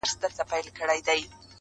د اده سپوږمۍ د غاړي هار وچاته څه وركوي;